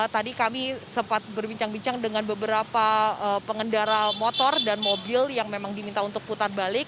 tadi kami sempat berbincang bincang dengan beberapa pengendara motor dan mobil yang memang diminta untuk putar balik